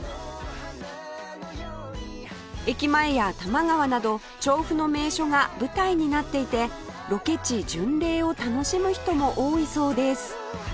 駅前や多摩川など調布の名所が舞台になっていてロケ地巡礼を楽しむ人も多いそうです